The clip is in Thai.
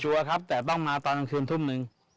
กลัวครับแต่ต้องมาตอนกลางคืนทุ่มหนึ่ง